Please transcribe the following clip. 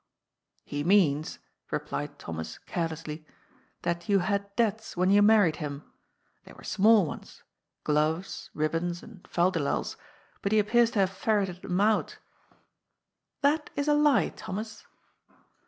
"" He means," replied Thomas carelessly, " that you had debts when you married him. They were small ones — gloves, ribbons, and fal de lals — bat he appears to have fer reted them out." " That is a lie, Thomas."